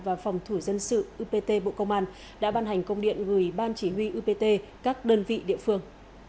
và phòng thủ dân sự đã ban hành công điện gửi ban chỉ huy upt các đơn vị địa phương